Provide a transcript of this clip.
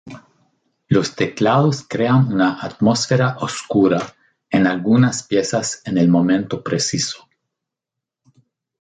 Los teclados crean una atmósfera oscura en algunas piezas en el momento preciso.